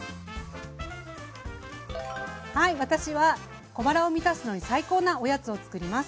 はい私は小腹を満たすのに最高なおやつをつくります。